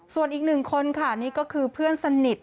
ส่วนอีกหนึ่งคนค่ะนี่ก็คือเพื่อนสนิท